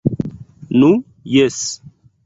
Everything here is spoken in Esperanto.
Nu, jes...